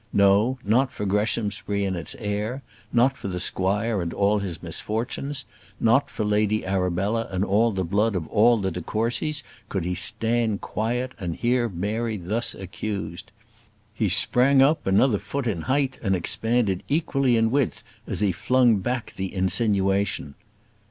No, not for Greshamsbury and its heir; not for the squire and all his misfortunes; not for Lady Arabella and the blood of all the de Courcys could he stand quiet and hear Mary thus accused. He sprang up another foot in height, and expanded equally in width as he flung back the insinuation.